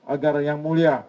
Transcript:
agar yang mulia